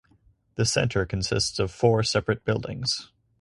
The centre consists of four separate buildings.